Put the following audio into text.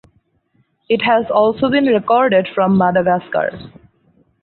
It has also been recorded from Madagascar.